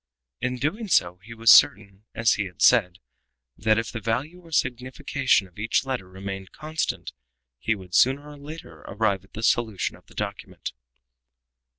In doing so he was certain, as he had said, that if the value or signification of each letter remained constant, he would, sooner or later, arrive at the solution of the document.